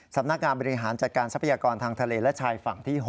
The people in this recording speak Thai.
สำนักงานบริหารจัดการทรัพยากรทางทะเลและชายฝั่งที่๖